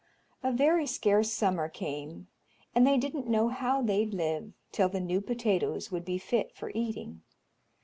A very scarce summer came, and they didn't know how they'd live till the new potatoes would be fit for eating.